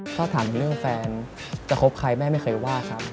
ถ้าถามถึงเรื่องแฟนจะคบใครแม่ไม่เคยว่าครับ